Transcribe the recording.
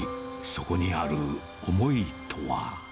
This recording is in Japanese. そこにある思いとは。